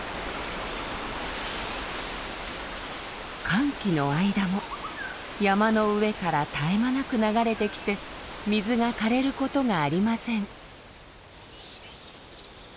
乾季の間も山の上から絶え間なく流れてきて水が涸れることがありません。